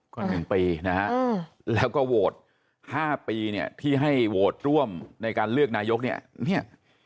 ก็๑ปีนะฮะแล้วก็โหวต๕ปีเนี่ยที่ให้โหวตร่วมในการเลือกนายกเนี่ยเนี่ย